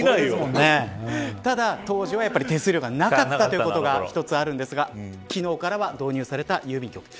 ただ当時は、手数料がなかったということが一つあるんですが昨日から導入された郵便局。